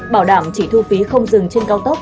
bảo đảm chỉ thu phí không dừng trên cao tốc